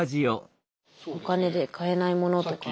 お金で買えないものとか。